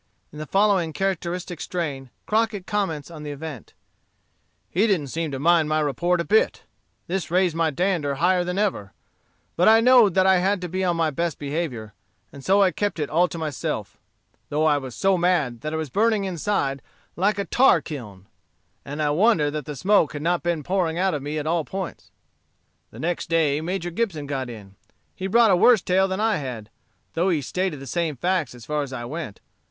In the following characteristic strain Crockett comments on the event: "He didn't seem to mind my report a bit. This raised my dander higher than ever. But I know'd that I had to be on my best behavior, and so I kept it all to myself; though I was so mad that I was burning inside like a tar kiln, and I wonder that the smoke had not been pouring out of me at all points. The next day, Major Gibson got in. He brought a worse tale than I had, though he stated the same facts as far as I went.